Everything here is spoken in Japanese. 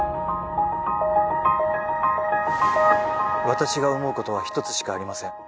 私が思うことは一つしかありません